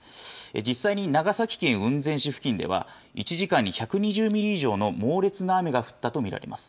実際に長崎県雲仙市付近では、１時間に１２０ミリ以上の猛烈な雨が降ったと見られます。